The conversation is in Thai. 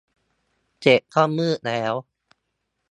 เสร็จก็มืดแล้ว